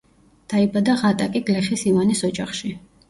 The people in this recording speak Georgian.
დაიბადა ღატაკი გლეხის, ივანეს ოჯახში.